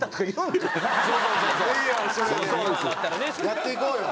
やっていこうよ。